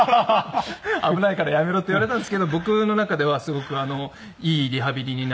「危ないからやめろ」って言われたんですけど僕の中ではすごくいいリハビリになっているので。